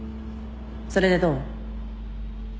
それでどう？